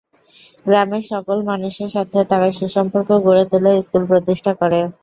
গ্রামের সকল মানুষের সাথে তারা সুসম্পর্ক গড়ে তোলে, স্কুল প্রতিষ্ঠা করে।